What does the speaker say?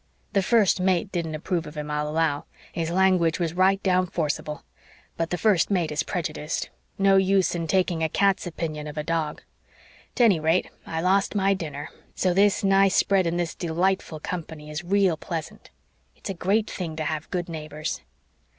The First Mate didn't approve of him, I'll allow. His language was right down forcible. But the First Mate is prejudiced. No use in taking a cat's opinion of a dog. 'Tennyrate, I lost my dinner, so this nice spread in this dee lightful company is real pleasant. It's a great thing to have good neighbors."